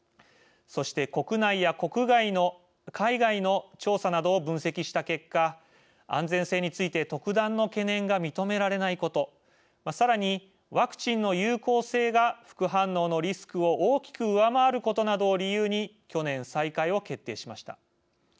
そして、国内や海外の調査などを分析した結果、安全性について特段の懸念が認められないことさらに、ワクチンの有効性が副反応のリスクを大きく上回ることなどを理由に去年、再開を決定しました。